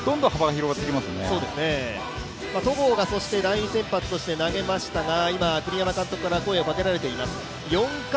そして戸郷が第２先発として投げましたが、今、栗山監督から声をかけられています。